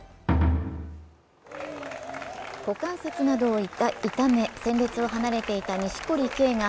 股関節などを痛め戦列を離れていた錦織圭が